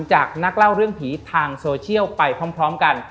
จากนักเล่าเรื่องผีทางโซเชียลไปพร้อมกัน